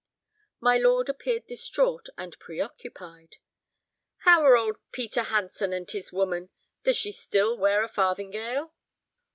My lord appeared distraught and preoccupied. "How are old Peter Hanson and his woman? Does she still wear a farthingale?"